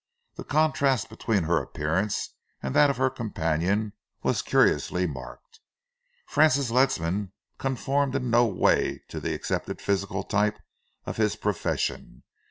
The contrast between her appearance and that of her companion was curiously marked. Francis Ledsam conformed in no way to the accepted physical type of his profession.